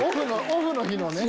オフの日のね。